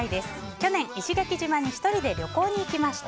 去年、石垣島に１人で旅行に行きました。